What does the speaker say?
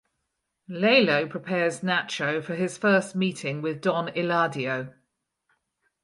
Lalo prepares Nacho for his first meeting with Don Eladio.